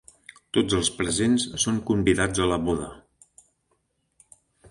Tots els presents són convidats a la boda.